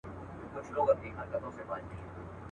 چي كوټې ته سو دننه د ټگانو.